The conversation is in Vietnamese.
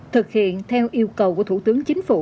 thực hiện theo yêu cầu của thủ tướng chính phủ